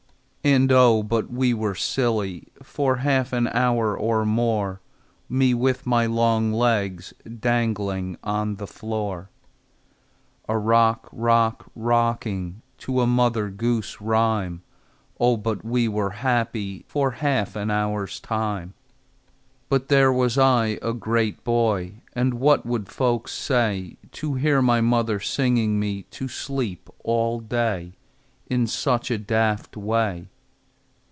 And, oh, but we were silly For half an hour or more, Me with my long legs Dragging on the floor, A rock rock rocking To a mother goose rhyme! Oh, but we were happy For half an hour's time! But there was I, a great boy, And what would folks say To hear my mother singing me To sleep all day, In such a daft way?